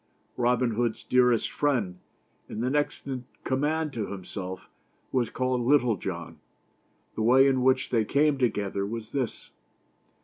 Robin Hood's dearest friend, and the next in command to himself, was called Little John. The way in which they came together was this.